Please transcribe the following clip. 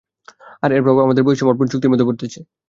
আর এর প্রভাব আমাদের বহিঃসমর্পণ চুক্তির মধ্যেও পড়তেছে।